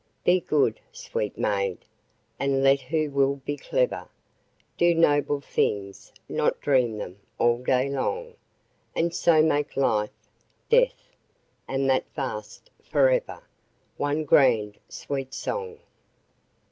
Be good, sweet maid, and let who will be clever; Do noble things, not dream them, all day long: And so make life, death, and that vast forever, One grand, sweet song.